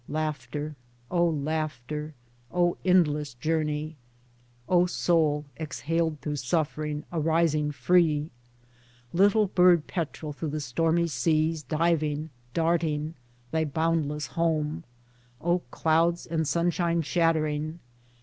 Laughter, O laughter ! O endless journey ! O soul exhaled through suffering, arising free ! Little bird petrel through the stormy seas diving darting — thy boundless home — O clouds and sunshine shattering